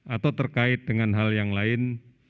atau terkait dengan hal yang lain